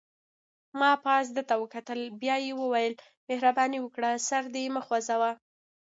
ما پاس ده ته وکتل، بیا یې وویل: مهرباني وکړه سر دې مه خوځوه.